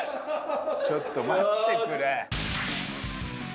ちょっと待ってくれ。